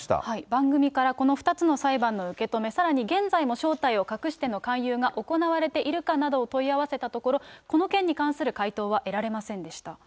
番組からこの２つの裁判の受け止め、さらに現在も正体を隠しての勧誘が行われているかなどを問い合わせたところ、この件に関する回答は得られませんでした。